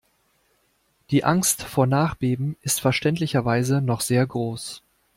Die Angst vor Nachbeben ist verständlicherweise noch sehr groß.